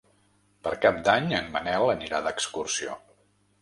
Per Cap d'Any en Manel anirà d'excursió.